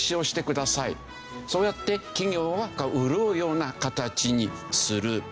そうやって企業が潤うような形にする。